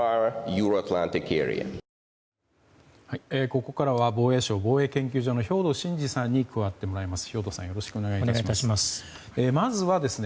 ここからは防衛省防衛研究所の兵頭慎治さんに加わってもらいます。